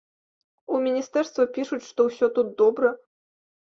У міністэрства пішуць, што ўсё тут добра.